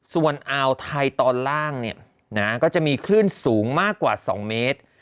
ส่วนอ่าวไทยตอนล่างก็จะมีคลื่นสูงมากกว่า๒เมตร